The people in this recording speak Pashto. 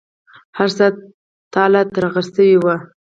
هر څه تالا ترغه شوي وو.